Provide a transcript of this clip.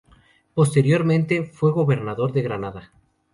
Posteriormente, fue gobernador de Granada.